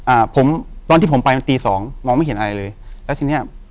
อ่าผมตอนที่ผมไปมันตีสองมองไม่เห็นอะไรเลยแล้วทีเนี้ย